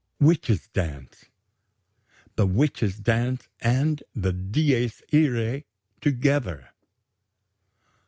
Witches' dance. The witches' dance and the Dies iræ together."